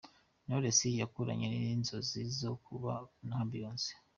Knowless yakuranye inzozi zo kuba nka Beyonce.